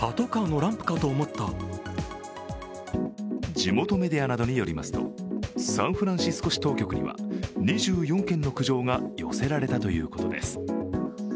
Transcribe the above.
地元メディアなどによりますと、サンフランシスコ市当局には２４件の苦情が寄せられたということです。